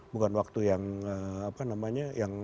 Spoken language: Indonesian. bukan waktu yang